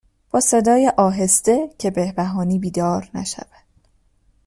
با صدای آهسته که بهبهانی بیدار نشود